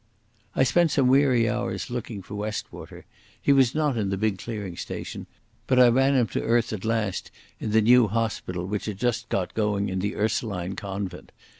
I spent some weary hours looking for Westwater. He was not in the big clearing station, but I ran him to earth at last in the new hospital which had just been got going in the Ursuline convent.